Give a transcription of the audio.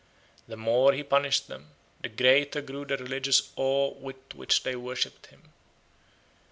The more he punished them, the greater grew the religious awe with which they worshipped him.